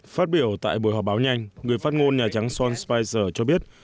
phát biểu tại buổi họp báo nhanh người phát ngôn nhà trắng sean spicer cho biết